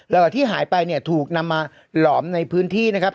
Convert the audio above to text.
แล้วก็ที่หายไปเนี่ยถูกนำมาหลอมในพื้นที่นะครับ